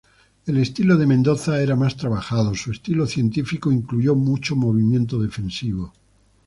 El estilo de Mendoza era más trabajado, su "estilo científico" incluyó mucho movimiento defensivo.